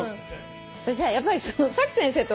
そしたらやっぱりサキ先生と。